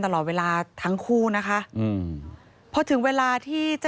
พบหน้าลูกแบบเป็นร่างไร้วิญญาณ